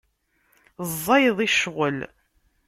Ẓẓayeḍ i ccɣel.